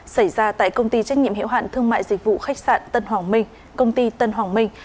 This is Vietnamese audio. xảy ra tại công ty trách nhiệm hiệu hạn thương mại dịch vụ khách sạn tân hoàng minh công ty tân hoàng minh